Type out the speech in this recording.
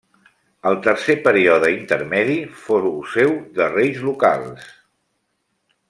Al tercer període intermedi fou seu de reis locals.